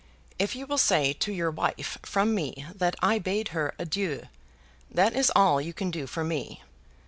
If you will say to your wife from me that I bade her adieu; that is all you can do for me.